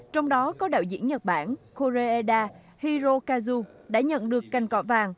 trong đó có đạo diễn nhật bản koreeda hirokazu đã nhận được cành cọ vàng